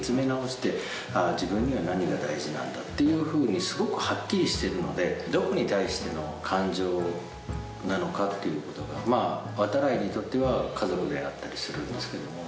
自分には何が大事なんだっていうふうにすごくはっきりしてるのでどこに対しての感情なのかっていうことが渡会にとっては家族であったりするんですけど。